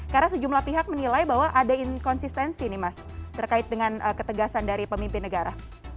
karena sejumlah pihak menilai bahwa ada inkonsistensi ini mas terkait dengan ketegasan dari pemimpin negara